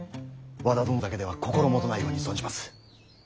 和田殿だけでは心もとないように存じます。